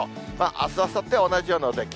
あす、あさっては同じようなお天気。